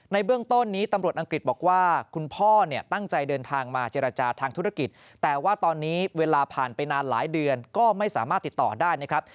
เบื้องต้นนี้ตำรวจอังกฤษบอกว่าคุณพ่อเนี่ยตั้งใจเดินทางมาเจรจาทางธุรกิจแต่ว่าตอนนี้เวลาผ่านไปนานหลายเดือนก็ไม่สามารถติดต่อได้นะครับ